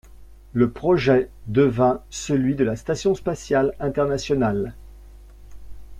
Le projet devint celui de la Station spatiale internationale.